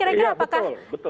iya betul betul